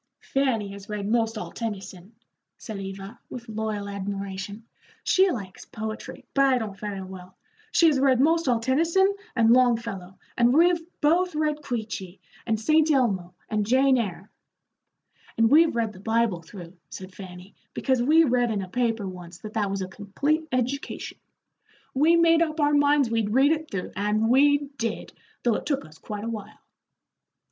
"Fanny has read 'most all Tennyson," said Eva, with loyal admiration; "she likes poetry, but I don't very well. She has read most all Tennyson and Longfellow, and we've both read Queechee, and St. Elmo, and Jane Eyre." "And we've read the Bible through," said Fanny, "because we read in a paper once that that was a complete education. We made up our minds we'd read it through, and we did, though it took us quite a while."